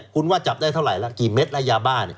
คุณว่าจับได้เท่าไหร่แล้วกี่เม็ดระยะบ้าน